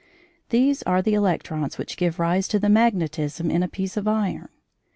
These are the electrons which give rise to the magnetism in a piece of iron.